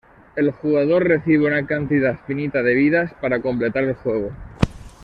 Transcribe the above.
El jugador recibe una cantidad finita de vidas para completar el juego.